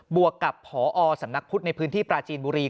วกกับผอสำนักพุทธในพื้นที่ปราจีนบุรี